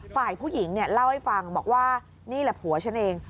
ฝ่ายผู้หญิงเนี่ยเล่าให้ฟังบอกว่านี่แหละผัวฉันเอง